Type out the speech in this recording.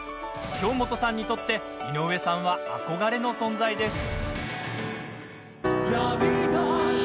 京本さんにとって井上さんは憧れの存在です。